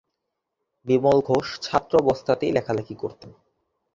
বিমল ঘোষ ছাত্রাবস্থাতেই লেখালেখি করতেন।